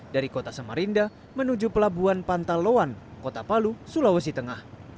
dari kota samarinda menuju pelabuhan pantaloan kota palu sulawesi tengah